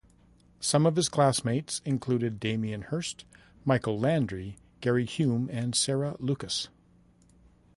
Some of his classmates included Damien Hirst, Michael Landy, Gary Hume and Sarah Lucas.